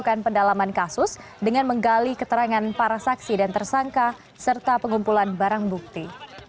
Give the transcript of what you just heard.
melakukan pendalaman kasus dengan menggali keterangan para saksi dan tersangka serta pengumpulan barang bukti